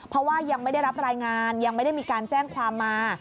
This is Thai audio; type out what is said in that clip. เพราะว่ายังไม่ได้รับรายงานยังไม่ได้มีการแจ้งความมา